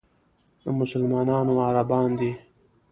مسلمانانو عربان دي.